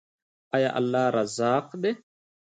آیا الله رزاق دی؟